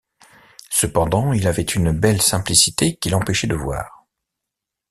Cependant, il avait une belle simplicité qui l’empêchait de voir.